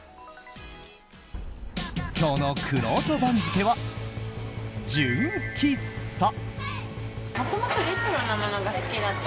今日のくろうと番付は、純喫茶。